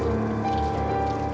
aku mau kita sekedar balik